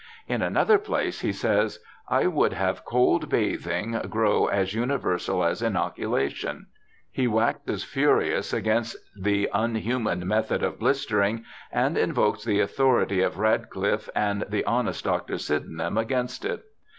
In another place he says, ' I would have cold bathing grow as universal as inoculation.' He waxes furious against the ' Unhuman Method of Blistering ', and invokes the authority of Radclifife and 'the honest Dr. Sydenham' against it.